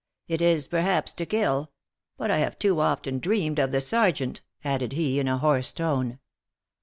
It is, perhaps, to kill; but I have too often dreamed of the sergeant," added he, in a hoarse tone.